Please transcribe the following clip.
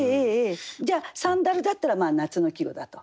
じゃあサンダルだったら夏の季語だと。